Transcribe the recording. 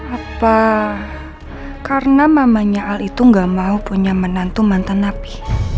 apa karena mamanya al itu gak mau punya menantu mantan napi